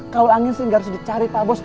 kalau angin sih nggak harus dicari pak bos